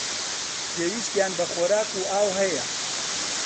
پێویستیان بە خۆراک و ئاو هەیە.